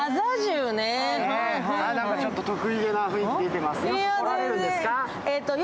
ちょっと得意気な雰囲気出てますよ。